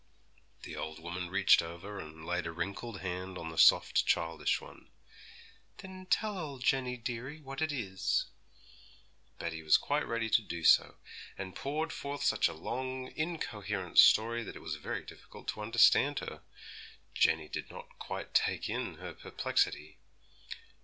The old woman reached over, and laid a wrinkled hand on the soft, childish one. 'Then tell old Jenny, dearie, what it is.' Betty was quite ready to do so; and poured forth such a long, incoherent story that it was very difficult to understand her. Jenny did not quite take in her perplexity.